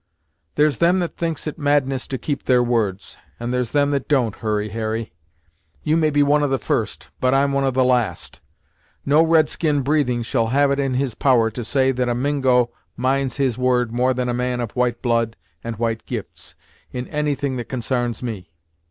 "There's them that thinks it madness to keep their words, and there's them that don't, Hurry Harry. You may be one of the first, but I'm one of the last. No red skin breathing shall have it in his power to say that a Mingo minds his word more than a man of white blood and white gifts, in any thing that consarns me.